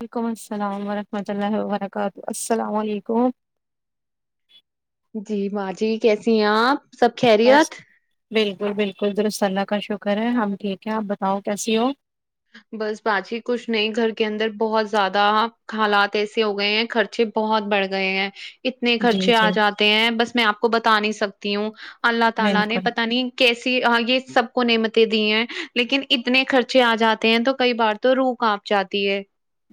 وعلیکم السلام ورحمۃ اللہ و برکاتہ السلام علیکم جی باجی کیسی ہیں آپ سب خیریت بس بالکل بالکل درست اللہ کا شکر ہے ہم ٹھیک ہیں آپ بتاؤ کیسی ہو بس باچی کچھ نہیں گھر کے اندر بہت زیادہ حالات ایسے ہو گئے ہیں خرچے بہت بڑھ گئے ہیں اتنے جی خرچے آ جی جاتے ہیں بس میں آپ کو بتا نہیں سکتی ہوں اللہ تعالی نے بالکل پتہ نہیں کیسی یہ سب کو نعمتیں دی ہیں لیکن اتنے خرچے آ جا تے ہیں تو کئی بار تو روح کانپ جاتی ہے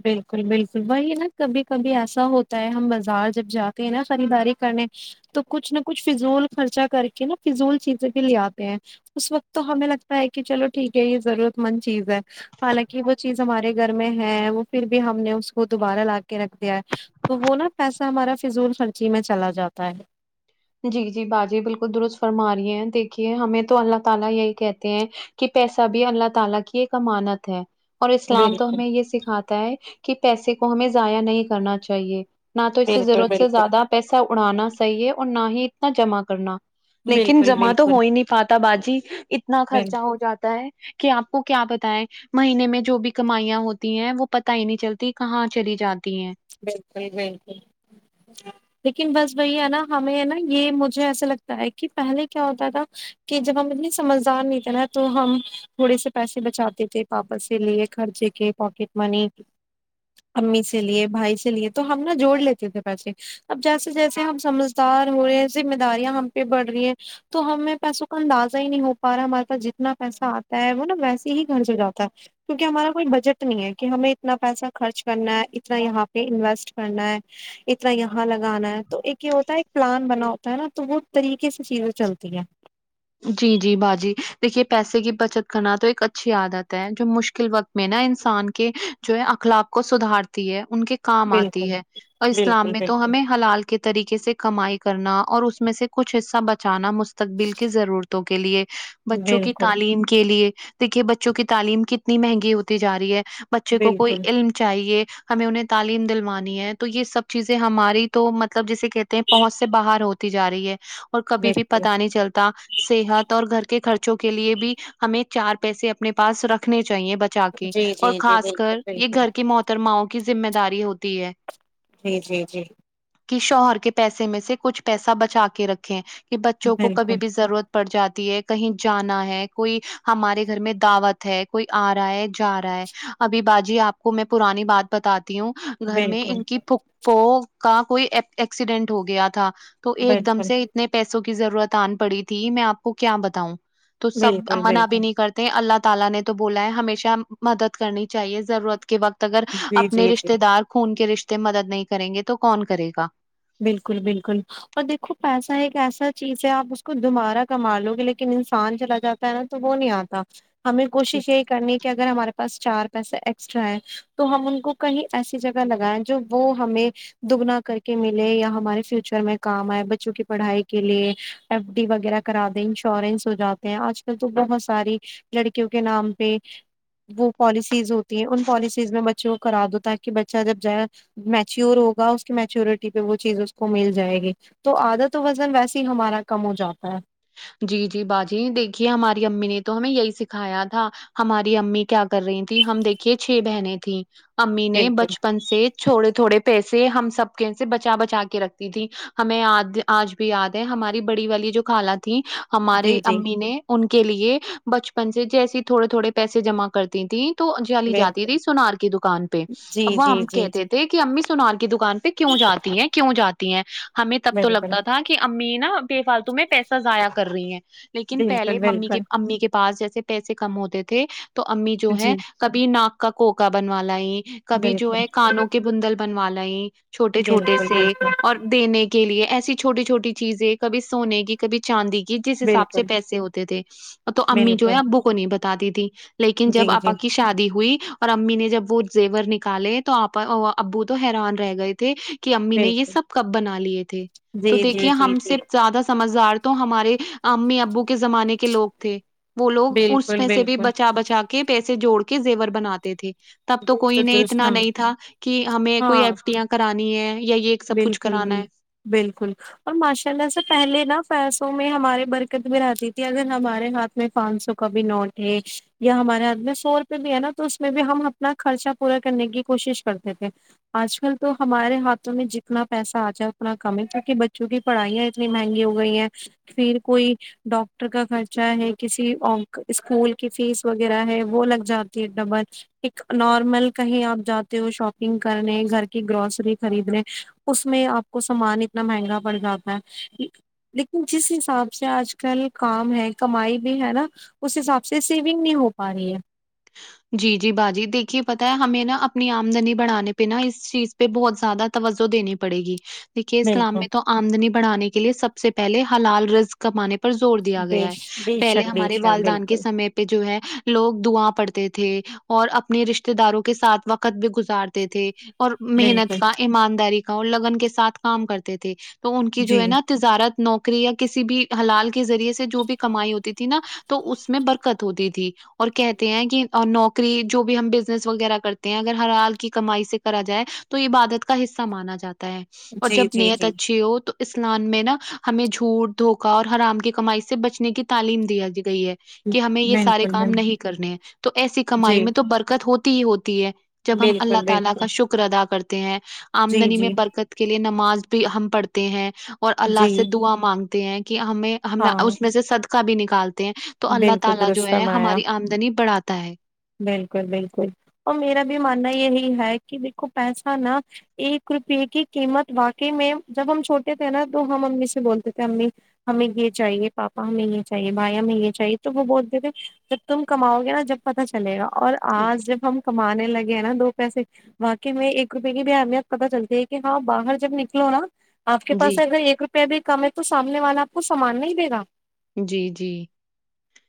بالکل بالکل وہی نا کبھی کبھی ایسا ہوتا ہے ہم بازار جب جاتے ہیں نا خریداری کرنے تو کچھ نہ کچھ فضول خرچہ کر کے نا فضول چیزیں بھی لے آتے ہیں اس وقت تو ہمیں لگتا ہے کہ چلو ٹھیک ہے یہ ضرورت مند چیز ہے حالانکہ وہ چیز ہمارے گھر میں ہے وہ پھر بھی ہم نے اس کو دوبارہ لا کے رکھ دیا ہے تو وہ نا پیسہ ہمارا فضول خرچی میں چلا جاتا ہے جی جی باجی بالکل درست فرما رہی ہیں دیکھیے ہمیں تو اللہ تعالی یہی کہتے ہیں کہ پیسہ بھی اللہ تعالی کی ایک امانت ہے اور اسلام تو بالکل ہمیں یہ سکھاتا ہے کہ پیسے کو ہمیں ضائع نہیں کرنا چاہیے نہ تو اسے بالکل ضرورت سے بالکل زیادہ پیسہ اڑانا صحیح ہے اور نہ ہی اتنا جمع کرنا لیکن بالکل جمع تو بالکل ہو ہی نہیں پاتا باجی اتنا بل خرچہ ہو جاتا ہے کہ آپ کو کیا بتائیں مہینے میں جو بھی کمائیاں ہوتی ہیں وہ پتا ہی نہیں چلتی کہاں چلی جاتی ہیں بالکل بالکل لیکن بس وبی ہے نا ہمیں ہے نا یہ مجھے ایسا لگتا ہے کہ پہلے کیا ہوتا تھا کہ جب ہم اتنے سمجھدار نہیں تھ نا تو ہم تھوڑے سے پیسے بچاتے تھے واپس سے لیے خرچے کے پاکٹ منی امی سے لیے بھائی سے لیے تو ہم نا جوڑ لیتے تھے پیسے اب جیسے جیسے ہم سمجھدار ہوئے ذمہ داریاں ہم پہ بڑھ رہی ہیں تو ہمیں پیسوں کا اندازہ ہی نہیں ہو پا رہا ہے ہمارے پاس جتنا پیسہ آتا ہے وہ نا ویسے ہی گھر سے جاتا ہے کیونکہ ہمارا کوئی بجٹ نہیں ہے کہ ہمیں اتنا پیسہ خرچ کرنا ہے اتنا یہاں پے انوسٹ کرنا ہے اتنا یہاں لگانا ہے تو ایک یہ ہوتا ہے ایک پلان بنا ہوتا ہے نا تو وہ طریقے سے چیزیں چلتی ہیں جی جی باجی دیکھیے پیسے کی بچت کرنا تو ایک اچھی عادت ہے جو مشکل وقت میں نا انسان کے جو ہے اخلاق کو سدھارتی ہے ان کے کام آتی بالکل ہے اور اسلام بالکل میں تو بالکل ہمیں حلال کے طریقے سے کمائی کرنا اور اس میں سے کچھ حصہ بچانا مستقبل تو کے لیے بچوں کی بالکل تعلیم کے لیے دیکھیے بچوں کی تعلیم کتنی مہنگی ہوتی جا رہی ہے بچے کو کوئی بالکل علم چاہیے ہمیں انہیں تعلیم دلوانی ہے تو یہ سب چیزیں ہماری تو مطلب جیسے کہتے ہیں پہنچ سے باہر ہوتی جا رہی ہے اور کبھی بھی بالکل پتا نہیں چل ٹا صحت اور گھر کے خرچوں کے لیے بھی ہمیں چار پیسے اپنے پاس رکھنے چاہیے بچ ا کے جی جی اور جی خاص بالکل کر یہ بالکل گھر کی محترماؤں کی ذمہ داری ہوتی ہے جی جی جی کہ شوہر کے پیسے میں سے کچھ پیسہ بچا کے رکھیں کہ بچوں کو کبھی بالکل بھی ضرورت پڑ جاتی ہے کہیں جانا ہے کوئی ہمارے گھر میں دعوت ہے کوئی آ رہا ہے جا رہا ہے ابھی باجی آپ کو میں پرانی بات بتاتی ہوں گھر میں بالکل ان کی پھوپو کا کوئی ایکسیڈینٹ ہو گیا تھا تو یہ ایک دم بالکل سے اتنے پیسوں کی ضرورت آن پڑی تھی میں آپ کو کیا بتاؤں تو سب بالکل منا بھی بالکل نہیں کر تے اللہ تعالی نے تو بولا ہے ہمیشہ مدد کرنی چاہیے ضرورت کے وقت اگر جی اپنے جی جی رشتے دار خون کے رشتے مدد نہیں کریں گے تو کون کرے گا بالکل بالکل اور دیکھو پیسہ ایک ایسا چیز ہے آپ اس کو دوبارہ کما لو گے لیکن انسان چلا جا ٹا ہے نہ تو وہ نہیں آتا ہمیں جی کوشش یہی کرنی کہ اگر ہمارے پاس چار پیسے ایکسٹرا ہے تو ہم ان کو کہیں ایسی جگہ لگائیں جو وہ ہمیں دگنا کر کے ملے یا ہمارے فیوچر میں کام آئے بچوں کی پڑھائی کے لیے ایف ڈی وغیرہ کرا دے انشورینس ہو جاتے ہیں آج کل تو بہت ساری لڑکیوں کے نام پہ وہ پالیسیز ہوتی ہیں ان پالیسیز میں بچوں کو کرا دو تاکہ بچہ جب جائے میچیور ہوگا اس کی میچیور ٹی پہ وہ چیز اس کو مل جائے گی تو آدھا تو وزن ویسے ہی ہمارا کم ہو جاتا ہے جی جی باجی دیکھیے ہماری امی نے تو ہمیں یہی سکھایا تھا ہماری امی کیا کر رہی تھی ہم دیکھیے چھ بہنیں تھیں امی نے بالکل بچپن سے چھوڑے تھوڑے پیسے ہم سب کی سے بچا بچا کے رکھتی تھی ہمیں آد آج بھی یاد ہے ہماری بڑی والی جو خالہ تھیں ہمارے جی جی امی نے ان کے لیے بچپن سے جیسے تھوڑے تھوڑے پیسے جمع کرتی تھی تو جلی جاتی بالکل تھی سونار کی دکان پہ جی اب وہ جی ہم جی کہتے جی تھے کی امی سونال کی دکان پہ کیوں جاتی ہے کیوں جاتی ہیں ہمیں تب تو بالکل لگتا تھا کے کہ امی نا بے فالتو میں پیسہ ضائع کر رہی ہیں لیکن بالکل پہلے ممی کے بالکل امی کے پاس جیسے پیسے کم ہوتے تھے تو امی جو ہے جی کبھی ناک کا کوکا بنوا لائی کبھی جو بالکل ہے کانوں کے بندل بنوا لائی چھوٹے چھوٹے بالکل سے اور دینے کے لیے ایسی چھوٹی چھوٹی چیزیں کبھی سونے کے چاندی کی جس بالکل حساب سے بالکل پیسے ہوتے تھے تو امی جو ہے بالکل ابو کو نہیں بتاتی تھی لیکن جب جی آپا جی کی شادی ہوئی اور امی نے جب وہ زیور نکالے تو اپ ابو تو حیران رہ گئے تھے کہ امی نے یہ بالکل سب کب بنا لیے تھے تو جی جی دیکھیے جی ہم سے جی زیادہ بازار تو ہمارے امی ابو کیے زمانے کے لوگ تھے وہ لوگ اس بالکل میں سے بھی بالکل بچا بچا کر کے پیسے جوڑ کے زیور بناتے تھے تب تو کوئی بالکل نے درست اتنا ہم- نہیں تھا کہ ہمیں کوئی ہاں ایف ڈیاں کرانی ہے یا یہ سب کچھ بالکل کرانا بالکل ہے بالکل اور ماشاء اللہ سے پہلے نا پیسوں میں ہمارے برکت بھی رہتی تھی اگر ہمارے ہاتھ پانچ سو کا بھی نوٹ ہے یا ہمارے ہاتھ میں سو روپے بھی ہے نا تو اس میں بھی ہم اپنا خرچہ پورا کرنے کی کوشش کرتے تھے آج کل تو ہمارے ہاتھ تہیں جتنا پیسہ آ جائے اتنا کم ہے تاکہ بچوں کی پڑھائیاں اتنی مہنگی ہو گئی ہیں پھر کوئی ڈاکٹر کا خرچہ ہے کسی اور اسکول کی فیس وغیرہ ہے وہ لگ جاتی ہے ڈبل ایک نارمل کہیں اپ جاتے ہو شاپنگ کرنے گھر کی گروسری خرید رے اس میں اپ کو سامان اتنا مہنگا پڑ جاتا ہے لیکن جس حساب سے آج کل کام ہے کمائی بھی ہے نا اس حساب سے سیونگ نہیں ہو پا رہی ہے جی جی باجی دیکھیے پتا ہے ہمیں نا اپنی آمدنی بڑانے پہ نہا اس چیز پہ بہت زیادہ توجو دیننی پڑے گی دیکھیے اسلام بالکل میں تو امدنی بڑانے کے لیے سب سے پہلے ہلال رز کمانے پر زور دیا بے گیا ہے بے پہلے شک بے ہمارے شک والدان کے بالکل سمے پہ جو ہے لوگ دعا پڑتے تے تھے اور اپنے رشتے داروں کے ساتھ وقت بھی گزارتے تھے اور محنت بالکل کا ایمانداری کا اور لگن کے ساتھ کام کرتے تھے تو ان کی جو جی ہے نا تجارت نوکری یا کسی بھی حلال کے ذریعے سے جو بھی کمائی ہوتی تھی نا تو اس میں برکت ہوتی تھی اور کہتے ہیں کہ اور نوکری جو بھی ہم بزنس وغیرہ کرتے ہیں اگر ہر حال کی کمائی سے کرا جائے تو عبادت کا حصہ مانا جاتا ہے اور جی جب جی نیت جی اچھی ہو تو اسلان میں نا ہمیں جھوٹ دھوکا اور حرام کی کمائی سے بچنے کی تعلیم دیا گئی ہے کہ ہمیں یہ سارے بالکل کام بالکل نہیں کرنے ہیں تو ایسی کمائی جی میں تو برکت ہوتی ہی ہوتی ہے جب ہم اللہ بالکل تعالی کا بالکل شکر ادا کرتے ہیں جی آمدنی میں جی برکت کے لیے نماز بھی ہم پڑھتے ہیں اور اللہ جی سے دعا مانگتے ہیں کہ ہمیں ہم نہ ہاں اس میں سے صدقہ بھی نکالتے ہیں تو اللہ بالکل تعالی جو درست ہے فرمایا ہماری آمدنی بڑھاتا ہے بالکل بالکل اور میرا بھی ماننا یہی ہے کہ دیکھو پیسہ نہ ایک روپے کی قیمت واقعی میں جب ہم چھوٹے تھے نا تو ہم امی سے بولتے تھے امی ہمیں یہ چاہیے پاپا ہمیں یہ چاہیے بھائی ہمیں یہ چاہیے تو وہ بولتے تھے جب تم کماو گے نا جب پتا چلے گا اور آج جب ہم کمانے لگے ہیں نا دو پیسے واقعی میں ایک روپے کی بھی اہمیت پتا چلتی ہے کہ ہاں باہر جب نکلو نا اپ کے پاس جی اگر ایک روپیہ بھی کم ہے تو سامنے والا اپ کو سامان نہیں دے گا جی جی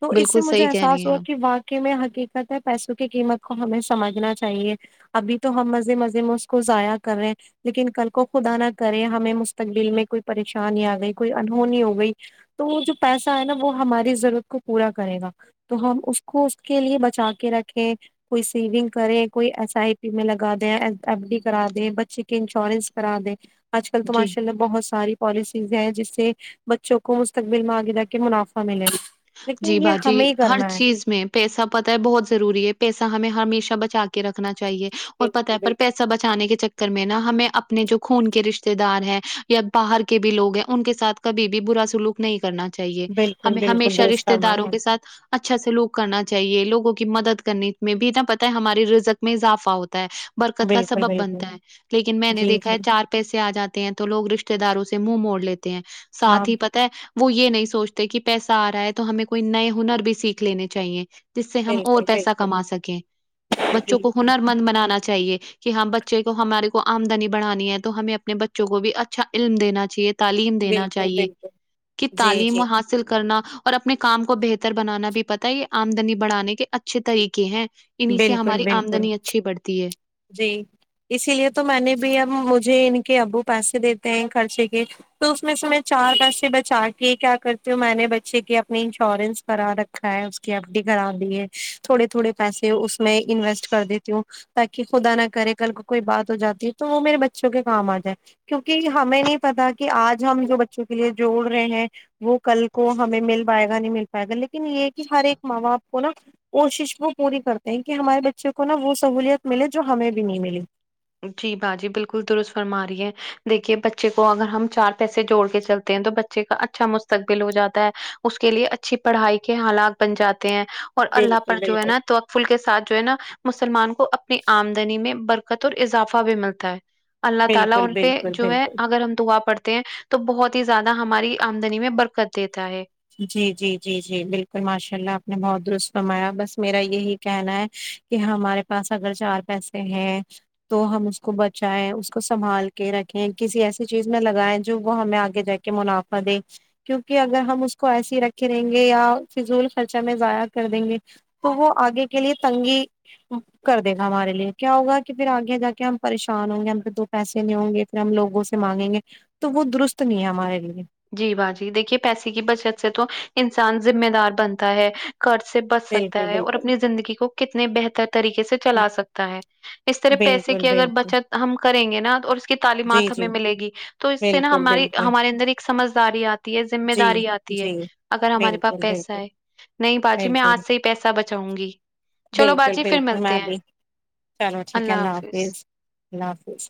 تو اس سے بالکل مجھے صحیح کہہ رہی احساس ہیں ہوا آپ کہ واق عی میں حقیقت ہے پیسوں کی قیمت کو ہمیں سمجھنا چاہیے ابھی تو ہم مزے مزے میں اس کو ضائع کر رہے ہیں لیکن کل کو خدا نہ کرے ہمیں مستقبل میں کوئی پریشانی اگئی کوئی انہونی ہو گئی تو وہ جو پیسہ ہے نا وہ ہماری ضرورت کو پورا کرے گا تو ہم اس کو اس کے لیے بچا کے رکھیں کوئی سیونگ کریں کوئی ایس آئی پی میں لگا دیں ایف ڈی کرا دیں بچے انشورینس کرا دے آج کل تو جی ماشاء اللہ بہت ساری پالیسیز ہیں جس سے بچوں کو مستقبل میں آگے جا کے منافع ملے جی لیکن یہ باجی ہمیں ہی ہر کرنا ہے چیز میں پیسہ پتا ہے بہت ضروری ہے پیسہ ہمیں ہمیشہ بچا کے رکھنا چاہیے اور پتہ ہے بالکل پر پی بالکل سا بچانے کے چکر میں نا ہمیں اپنے جو خون کے رشتے دار ہیں یا باہر کے بھی لوگ ہیں ان کے ساتھ کبھی بھی برا سلوک نہیں کرنا چاہیے بالکل ہمیں بالکل ہمیشہ درست رشتے داروں فرمایا کے ساتھ اچھا سلوک کرنا چاہیے لوگوں کی مدد کرنے میں بھی نہ پتا ہے ہماری رزق میں اضافہ ہوتا ہے برکت کا بالکل سبب بالکل بنتا ہے لیکن میں نے جی دیکھا ہے جی چار پیسے اجاتے ہیں تو لوگ رشتے داروں سے منہ موڑ لیتے ہیں ہاں ساتھ ہی پتا ہے وہ یہ نہیں سوچتے کہ پیسہ آ رہا ہے تو ہمیں کوئی نئے ہنر بھی سیکھ لینے چاہیے جس سے ہم اور بالکل پیسہ بالکل کما سکیں جی بچوں کو جی ہنر مند بنانا چاہیے کہ ہاں بچے کو ہمارے کو آمدنی بڑانی ہے تو ہمیں اپنے بچوں کو بھی اچھا علم دینا چاہیے تعلیم دینا بالکل چاہیے بالکل کہ جی تعلیم جی حاصل کرنا اور اپنے کام کو بہتر بنانا بھی پتا یہ آمدنی بڑھانے کے اچھے طریقے ہیں انہی سے بالکل ہماری بالکل آمدنی اچھی بڑھتی ہے جی اسی لیے تو میں نے بھی اب مجھے ان کے ابو پیسے دیتے ہیں خرچے کے تو اس میں سے میں چار پیسے بچا کے کیا کرتی ہوں میں نے بچے کے اپنے انشورنس کرا رکھ خیر اس کی ایف ڈی کرا دی ہے تھوڑے تھوڑے پیسے اس میں انویسٹ کر دیتی ہوں تاکہ کہ خدا نہ کرے کل کو کوئی بات ہو جاتی ہے تو وہ میرے بچوں کے کام آ جائے کیونکہ ہمیں نہیں پتا کہ اج ہم جو بچوں کے لیے جوڑ رہے ہیں وہ کل کو ہمیں مل پائے گا نہیں مل پائے گا لیکن یہ ہے کہ ہر ایک ماں باپ کو نا کوشش وہ پوری کرتے ہیں کہ ہمارے بچے کو نا وہ سہولیت ملے جو ہمیں بھی نہیں ملی جی با جی بالکل درست فرما رہی ہے دیکھیے بچے کو اگر ہم چار پیسے جوڑ کے چلتے ہیں تو بچے کا اچھا مستقبل ہو جاتا ہے اس کے لیے اچھی پڑھائی کے حالات بن جاتے ہیں اور اللہ پر بالکل جو ہے بالکل نا توکفل کے ساتھ جو ہے نا مسلمان کو اپنی امدنی میں برکت اضافہ بھی ملتا ہے اللہ تعالی بالکل ان پہ بالکل جو ہے بالکل اگر ہم دعا پڑھتے ہیں تو بہت ہی زیادہ ہماری امدنی میں برکت دیتا ہے جی جی جی جی بالکل ماشاء اللہ اپ نے بہت درست فرمایا بس میرا یہی کہنا ہے کہ ہمارے پاس اگر چار پیسے ہیں تو ہم اس کو بچائے اس کو سنبھال کے رکھیں کسی ایسی چیز میں لگائیں جو وہ ہمیں اگے جا کے منافع دے کیونکہ اگر ہم اس کو ایس ہی رکھے رہیں گے یا فضول خرچہ میں ضائع کر دیں گے تو وہ اگے کے لیے تنگی کر دے گا ہمارے لیے کیا ہوگا کہ پھر آگے جا کے ہم پریشان ہوں گے ہم پہ دو پیسے نہیں ہوں گے ہم لوگوں سے مانگیں گے تو وہ درست نہیں ہے ہمارے لیے جی باجی دیکھیے پیسے کی بچت سے تو انسان ذمہ دار بنتا ہے کرض سے بچ سکتا بالکل ہے اور بالکل اپنی زندگی کو کتنے بہتر طریقے سے چلا سکتا ہے اس طرح پیسے بالکل کی اگر بالکل بچت ہم کریں گے نا اور اس کی جی تعلیمات جی ہمیں ملے گی تو اس سے نا بالکل ہماری بالکل ہمارے اندر ایک سمجھداری آتی ہے ذمہ جی داری آتی ہے جی اگر ہمارے پاس بالکل پیسہ بالکل ہے نہیں باجی میں بالکل اج سے ہی پیسہ بچاؤں گی چلو بالکل باجی پھر بالکل ملتے میں ہیں بھی چلو ٹھیک ہے اللہ حافظ اللہ حافظ